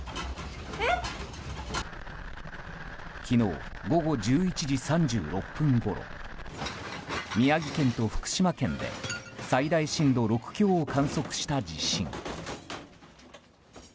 昨日、午後１１時３６分ごろ宮城県と福島県で最大震度６強を観測した地震。